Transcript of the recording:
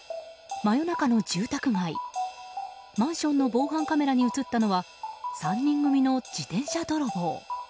真夜中の住宅街マンションの防犯カメラに映ったのは３人組の自転車泥棒。